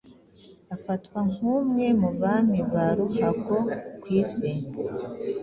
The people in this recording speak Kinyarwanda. afatwa nk’umwe mu bami ba ruhago ku Isi